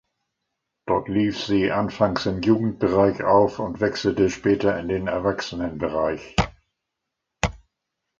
Dort lief sie anfangs im Jugendbereich auf und wechselte später in den Erwachsenenbereich.